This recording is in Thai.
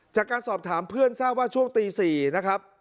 จากการสอบถามเพื่อนทราบว่าช่วงตี๔นะครับ